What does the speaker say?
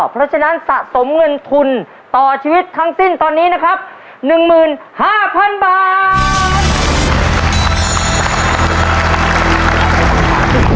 เพราะฉะนั้นสะสมเงินทุนต่อชีวิตทั้งสิ้น๙๕๐๐๐บาท